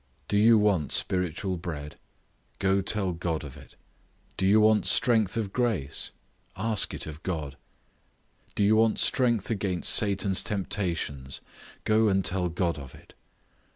Do you want spiritual bread? go tell God of it. Do you want strength of grace? ask it of God. Do you want strength against Satan's temptations? go and tell God of it.